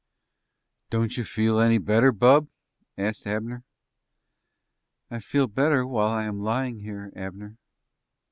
"Don't you feel any better, bub?" asked Abner. "I feel better while I am lying here, Abner."